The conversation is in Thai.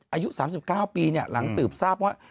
อายุ๓๙ปีหลังสืบทราบว่า